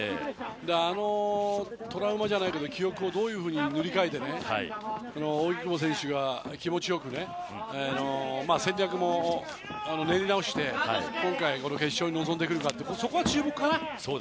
あのトラウマじゃないけど記憶をどう塗り替えて扇久保選手が戦略も練り直して今回、決勝に臨んでくるかそこが注目かな。